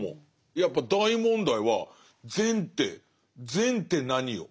やっぱ大問題は善って善って何よ？